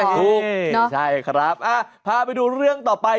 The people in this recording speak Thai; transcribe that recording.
ถูกเนอะใช่ครับอ่ะพาไปดูเรื่องต่อไป